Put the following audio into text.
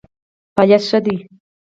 فعالیت ښه دی.